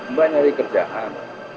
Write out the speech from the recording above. mbak nyari kerjaan